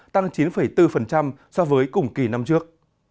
tăng chín bốn so với cùng kỳ năm trước